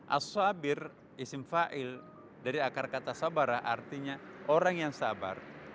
as sabir isim fail dari akar kata sabara artinya orang yang sabar